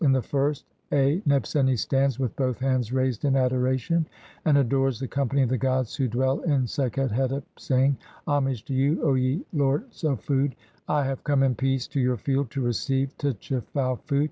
In the first (A) Nebseni stands, with both hands raised in adoration, and adores the company of the gpds who dwell in Sekhet hetep, saying : "Homage to you, O ye lords of food, I "have come in peace to your Field to receive tchefau food.